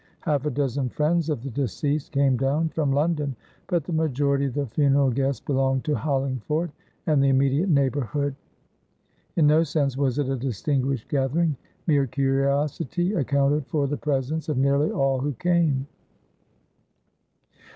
Half a dozen friends of the deceased came down from London, but the majority of the funeral guests belonged to Hollingford and the immediate neighbourhood. In no sense was it a distinguished gathering; mere curiosity accounted for the presence of nearly all who came.